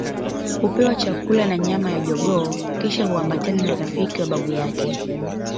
Hupewa chakula na nyama ya jogoo kisha huambatana na rafiki wa babu yake